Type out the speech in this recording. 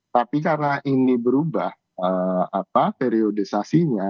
tapi karena ini berubah periodisasinya